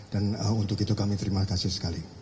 dan untuk itu kami terima kasih sekali